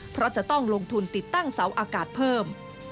เพราะจะต้องลงทุนติดตั้งเสาอากาศเพิ่ม